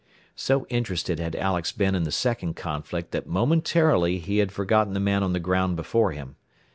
So interested had Alex been in the second conflict that momentarily he had forgotten the man on the ground before him.